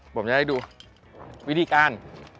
ผมจะได้ดูวิธีการ